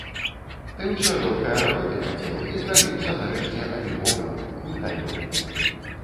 Ты ўсё лёгкае работы хацеў і зрабіўся нарэшце абібокам, гультаём.